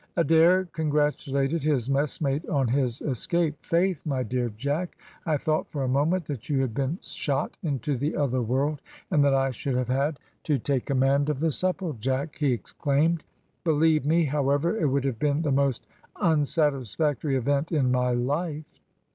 Adair congratulated his messmate on his escape. "Faith! my dear Jack, I thought for a moment that you had been shot into the other world, and that I should have had to take command of the Supplejack," he exclaimed. "Believe me, however, it would have been the most unsatisfactory event in my life."